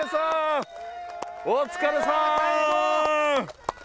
お疲れさん！